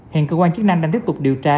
hiện công an chức năng đang tiếp tục điều tra